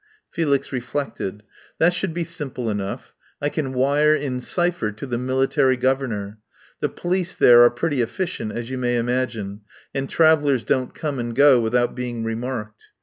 Felix reflected. "That should be simple enough. I can wire in cypher to the Military Governor. The police there are pretty effi cient, as you may imagine, and travellers don't come and go without being remarked.